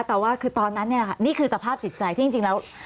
แต่ว่าคือตอนนั้นเนี่ยค่ะนี่คือสภาพจิตใจที่จริงแล้ว